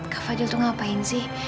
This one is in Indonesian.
kak fadil tuh ngapain sih